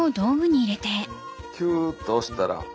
キュっと押したら。